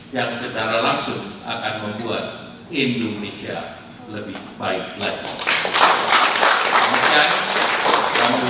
yang secara langsung akan membuat indonesia lebih baik lagi